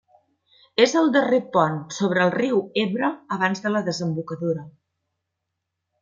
És el darrer pont sobre el riu Ebre abans de la desembocadura.